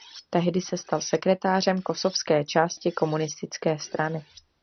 Tehdy se stal sekretářem kosovské části komunistické strany.